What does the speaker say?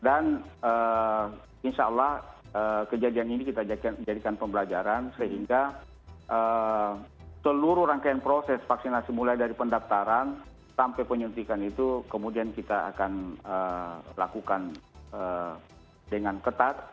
dan insya allah kejadian ini kita jadikan pembelajaran sehingga seluruh rangkaian proses vaksinasi mulai dari pendaftaran sampai penyuntikan itu kemudian kita akan lakukan dengan ketat